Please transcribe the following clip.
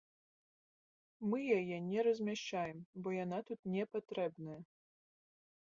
Мы яе не размяшчаем, бо яна тут не патрэбная.